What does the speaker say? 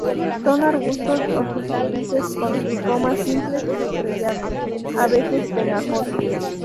Son arbustos o sufrútices, con tricomas simples y estrellados, a veces pegajosos.